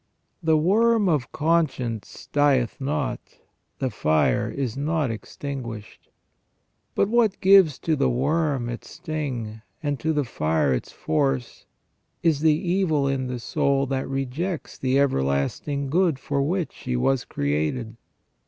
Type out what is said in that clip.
The worm of conscience dieth not, the fire is not extinguished. But what gives to the worm its sting, and to the fire its force, is the evil in the soul that rejects the everlasting good for which she was created.